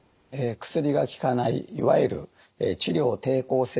薬が効かないいわゆる治療抵抗性